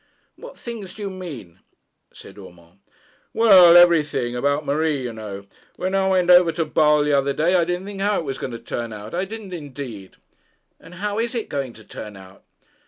'What things do you mean?' said Urmand. 'Well everything about Marie, you know. When I went over to Basle the other day, I didn't think how it was going to turn out. I didn't indeed.' 'And how is it going to turn out?'